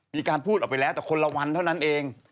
มีการพูดออกไปแล้วแต่คนละวันเท่านั้นเอง